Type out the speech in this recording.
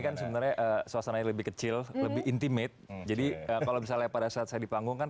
kan sebenarnya suasana lebih kecil lebih intimit jadi kalau misalnya pada saat saya dipanggungkan